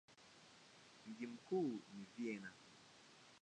Mji mkuu ni Vienna.